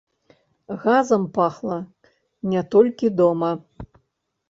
Газам пахла не толькі дома.